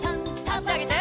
あしあげて。